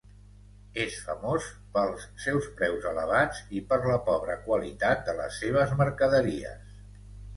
És famós pels seus preus elevats i per la pobra qualitat de les seves mercaderies.